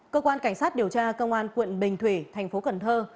cơ quan cảnh sát điều tra công an quận bình thủy thành phố cần thơ